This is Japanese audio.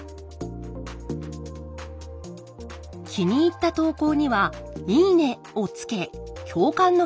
気に入った投稿には「いいね」をつけ共感の気持ちを伝えます。